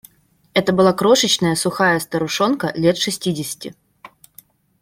Это была крошечная, сухая старушонка, лет шестидесяти.